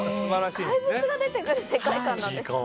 怪物が出てくる世界観なんですか。